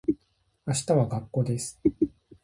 明日は学校です